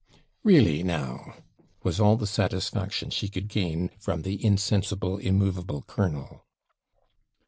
'Really now!' was all the satisfaction she could gain from the insensible, immovable colonel.